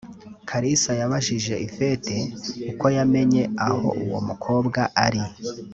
Kalisa yabajije Yvette uko yamenye aho uwo mukobwa ari